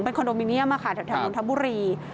เป็นคอนโดมิเนียมอ่ะค่ะแถวน้องธับบุรี